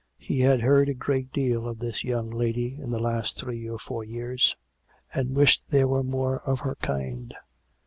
He had heard a great deal of this young lady in the last three or four years ; and wished there were more of her kind.